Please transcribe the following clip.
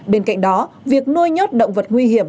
bên cạnh đó việc nuôi nhốt động vật nguy hiểm